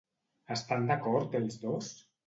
Estan d'acord ells dos?